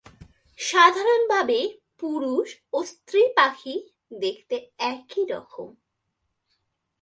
সাধারণভাবে পুরুষ ও স্ত্রী পাখি দেখতে একই রকম।